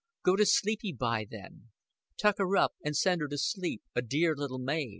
Go to sleepy by, then. Tuck her up, and send her to sleep, a dear little Mav."